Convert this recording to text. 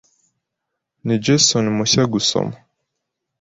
Ni Jason mushya gusoma